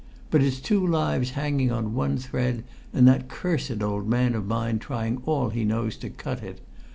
But it's two lives hanging on one thread, and that cursed old man of mine trying all he knows to cut it!